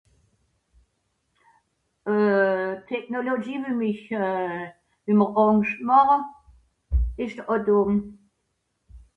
technologie